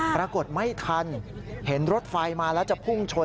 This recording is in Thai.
ปรากฏไม่ทันเห็นรถไฟมาแล้วจะพุ่งชน